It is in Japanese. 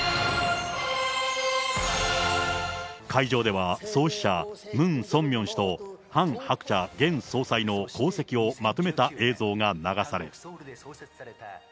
会場では創始者、ムン・ソンミョン氏とハン・ハクチャ現総裁の功績をまとめた映像が流され。